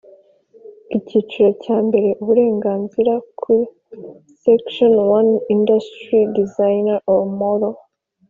Icyiciro cya mbere Uburenganzira ku Section one Industrial design or model